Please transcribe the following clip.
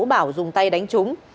trần vũ bảo bị đánh bằng tay đánh chúng